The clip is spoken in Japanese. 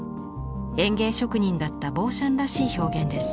園芸職人だったボーシャンらしい表現です。